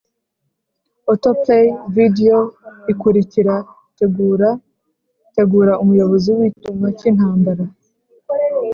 autoplay video ikurikira tegura, tegura umuyobozi wicyuma cyintambara,